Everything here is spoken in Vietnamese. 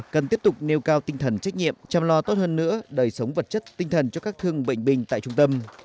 cần tiếp tục nêu cao tinh thần trách nhiệm chăm lo tốt hơn nữa đời sống vật chất tinh thần cho các thương bệnh binh tại trung tâm